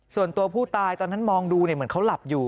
ส่วนตัวผู้ตายตอนนั้นมองดูเหมือนเขาหลับอยู่